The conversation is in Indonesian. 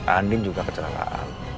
andin juga kecelakaan